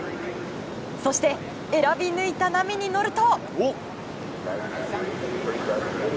そして、選び抜いた波に乗ると。